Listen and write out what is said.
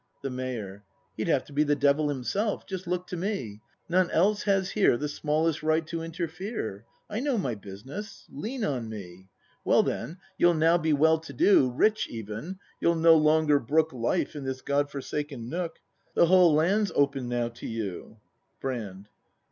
The Mayor. He'd have to be the devil himself! Just look to me! None else has here The smallest right to interfere. I know my business: lean on me! Well, then; you'll now be well to do. Rich even; you'll no longer brook Life in this God forsaken nook; The whole land's open now to you. Brand.